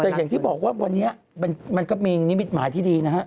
แต่อย่างที่บอกว่าวันนี้มันก็มีนิมิตหมายที่ดีนะฮะ